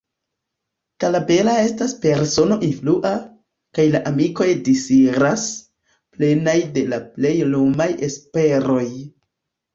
Talabera estas persono influa, kaj la amikoj disiras, plenaj de la plej lumaj esperoj.